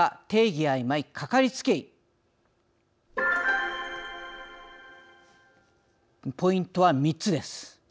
定義あいまい、かかりつけ医」ポイントは３つです。